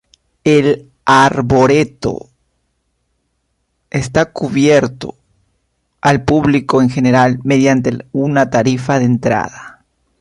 El arboreto está abierto al público en general mediante una tarifa de entrada.